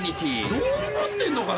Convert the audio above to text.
どう思ってんのかな